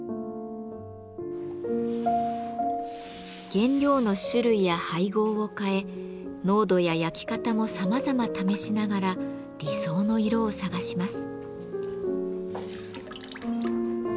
原料の種類や配合を変え濃度や焼き方もさまざま試しながら理想の色を探します。